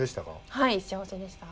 はい幸せでした。